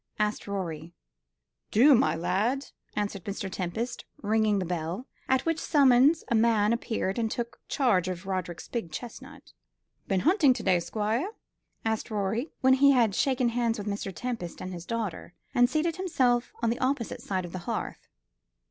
asked Rorie. "Do, my lad," answered Mr. Tempest, ringing the bell, at which summons a man appeared and took charge of Roderick's big chestnut. "Been hunting to day, Squire?" asked Rorie, when he had shaken hands with Mr. Tempest and his daughter, and seated himself on the opposite side of the hearth.